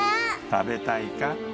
食べたい！